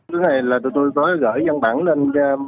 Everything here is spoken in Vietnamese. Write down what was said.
chúng tôi có gửi văn bản lên